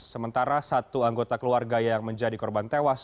sementara satu anggota keluarga yang menjadi korban tewas